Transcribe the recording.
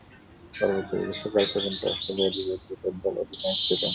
পরবর্তী গ্রীষ্মকাল পর্যন্ত অস্ট্রেলিয়া যুব ক্রিকেট দলের অধিনায়ক ছিলেন।